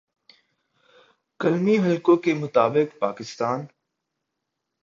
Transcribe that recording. فلمی حلقوں کے مطابق پاکستان